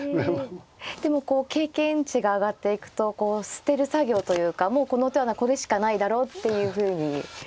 でもこう経験値が上がっていくと捨てる作業というかもうこの手はないこれしかないだろうっていうふうに。